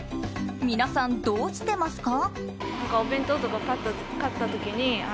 皆さん、どうしてますか？